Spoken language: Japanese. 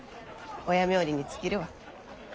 親冥利に尽きるわ。